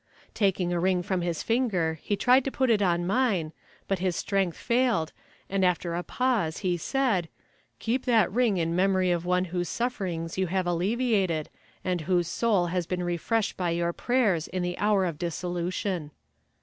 Taking a ring from his finger he tried to put it on mine, but his strength failed, and after a pause he said, "Keep that ring in memory of one whose sufferings you have alleviated, and whose soul has been refreshed by your prayers in the hour of dissolution."